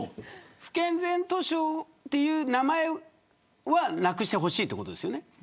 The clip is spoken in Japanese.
不健全図書っていう名前はなくしてほしいということですよね。